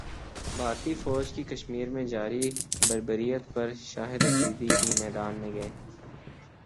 بھارتی فوج کی کشمیرمیں جاری بربریت پر شاہدافریدی بھی میدان میں گئے